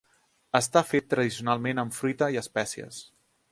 Està fet tradicionalment amb fruita i espècies.